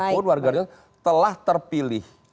jadi siapapun warga negara telah terpilih